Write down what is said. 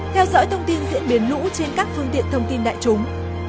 theo dõi thông tin diễn biến lũ trên các phương tiện thông tin đại chúng